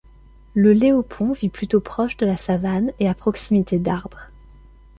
Le léopon vit plutôt proche de la savane et à proximité d'arbres.